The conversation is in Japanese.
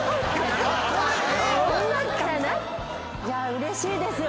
うれしいですよ。